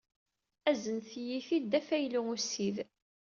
Aznet-iyi-t-id d afaylu ussid.